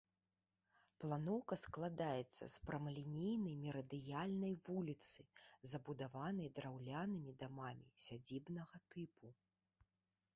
Планоўка складаецца з прамалінейнай мерыдыянальнай вуліцы, забудаванай драўлянымі дамамі сядзібнага тыпу.